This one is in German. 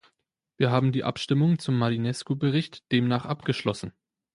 Wir haben die Abstimmung zum Marinescu-Bericht demnach abgeschlossen.